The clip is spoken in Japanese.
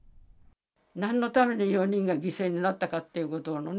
なんのために４人が犠牲になったかということなのね。